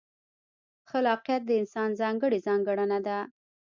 خلاقیت د انسان ځانګړې ځانګړنه ده.